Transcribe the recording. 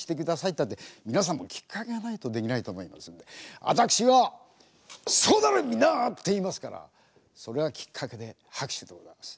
ったって皆さんもきっかけがないとできないと思いますんで私が「そうだろ！みんな！」って言いますからそれがきっかけで拍手でございます。